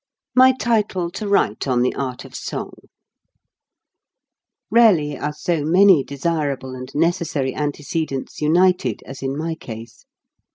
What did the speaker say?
MY TITLE TO WRITE ON THE ART OF SONG Rarely are so many desirable and neces sary antecedents united as in my case.